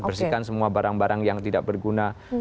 bersihkan semua barang barang yang tidak berguna